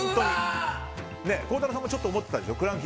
孝太郎さんもちょっと思ってたでしょ。